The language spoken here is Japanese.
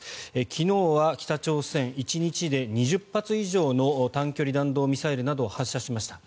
昨日は北朝鮮１日で２０発以上の単距離弾道ミサイルなどを発射しました。